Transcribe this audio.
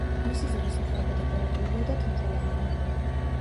მისი ზოგი სახეობა დეკორატიულია და თაფლოვანია.